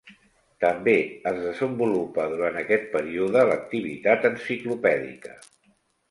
També es desenvolupa durant aquest període l'activitat enciclopèdica.